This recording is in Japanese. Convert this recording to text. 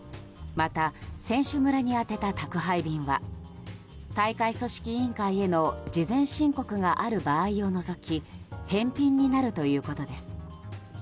また、選手村に宛てた宅配便は大会組織委員会への事前申告がある場合を除き返品になるということです。